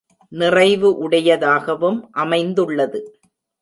நிறைவு உடையதாகவும் அமைந்துள்ளது.